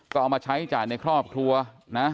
ก็เอามาใช้จ่ายในครอบครัวนะ